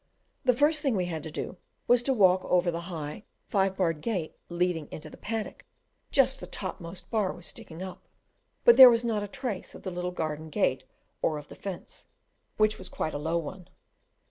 The first thing we had to do was to walk over the high five barred gate leading into the paddock just the topmost bar was sticking up, but there was not a trace of the little garden gate or of the fence, which was quite a low one.